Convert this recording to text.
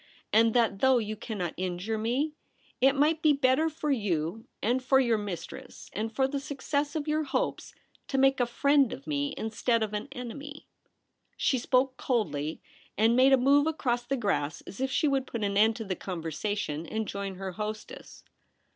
y and that though you cannot injure THE BOTHWELL PART. 285 me, it might be better for you and for your mistress and for the success of your hopes to make a friend of me instead of an enemy.' She spoke coldly, and made a move across the grass as if she would put an end to the conversation and join her hostess.